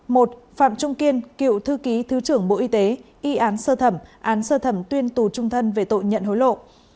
một phạm trung kiên cựu thư ký thứ trưởng bộ y tế y án sơ thẩm án sơ thẩm tuyên tù trung thân về tội nhận hối lộ